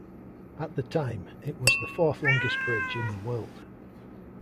At the time, it was the fourth longest bridge in the world.